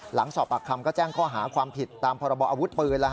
หลังสอบปากคำก็แจ้งข้อหาความผิดตามพรบออาวุธปืน